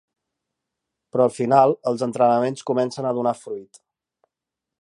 Però al final els entrenaments comencen a donar fruit.